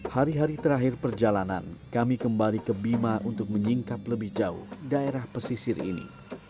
hari hari terakhir perjalanan kami kembali ke bima untuk menyingkap lebih jauh daerah pesisir ini